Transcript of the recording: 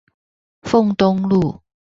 鳳東路